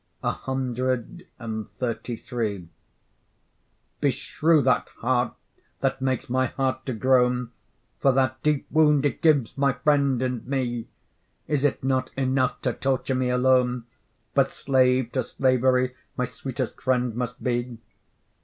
CXXXIII Beshrew that heart that makes my heart to groan For that deep wound it gives my friend and me! Is't not enough to torture me alone, But slave to slavery my sweet'st friend must be?